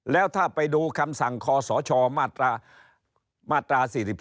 แล้วถ้าไปดูคำสั่งคอสชมาตรา๔๔